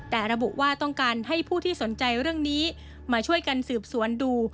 แต่ระบุว่าต้องการให้ผู้ที่สนใจเรื่องนี้มาช่วยกันสืบสวนดู